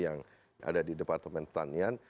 yang ada di departemen pertanian